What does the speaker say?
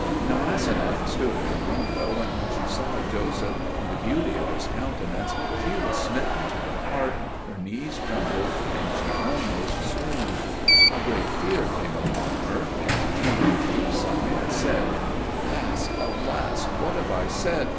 Now Aseneth stood at her window, and when she saw Joseph and the beauty of his countenance, she was smitten to the heart, her knees trembled, and she almost swooned. A great fear came upon her, and she heaved a deep sigh and said, "Alas, alas, what have I said?